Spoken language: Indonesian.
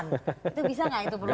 itu bisa nggak itu perlu